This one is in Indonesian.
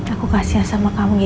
aku gak bisa ketemu mama lagi